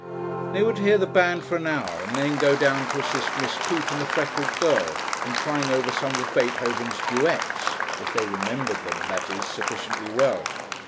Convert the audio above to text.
They were to hear the band for an hour and then go down to assist Miss Coote and the freckled girl in trying over some of Beethoven's duets, if they remembered them, that is, sufficiently well.